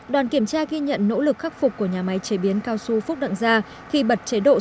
đoàn kiểm tra ghi nhận nỗ lực khắc phục của nhà máy chế biến cao su phúc đặng gia